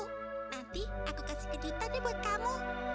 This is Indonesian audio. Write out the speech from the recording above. nanti aku kasih kejutan deh buat kamu